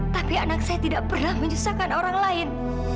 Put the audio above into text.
tapi anak saya tidak pernah menyusahkan orang lain